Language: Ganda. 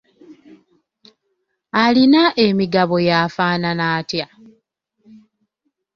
Alina emigabo y'afaanana atya?